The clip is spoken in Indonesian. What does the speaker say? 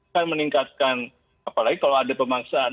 kan meningkatkan apalagi kalau ada pemaksaan